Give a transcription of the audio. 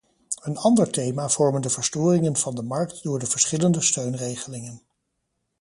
Een ander thema vormen de verstoringen van de markt door verschillende steunregelingen.